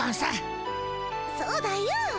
そうだよ。